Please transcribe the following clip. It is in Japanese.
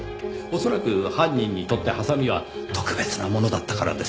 恐らく犯人にとってハサミは特別なものだったからです。